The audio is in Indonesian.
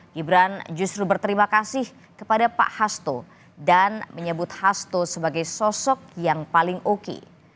gibran justru berterima kasih kepada pak hasto dan menyebut hasto sebagai sosok yang paling oki